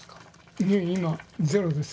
いや今ゼロです。